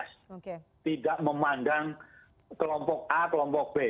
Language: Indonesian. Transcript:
tidak memandang kelompok a kelompok b